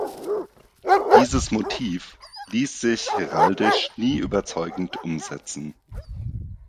Dieses Motiv liess sich heraldisch nie überzeugend umsetzen.